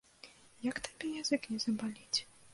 Як табе язык не забаліць?